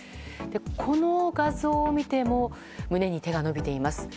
この画像を見ても胸に手が伸びています。